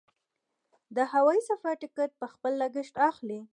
د هوايي سفر ټکټ په خپل لګښت اخلي.